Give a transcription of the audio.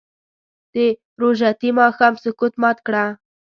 د روژتي ماښام سکوت مات کړه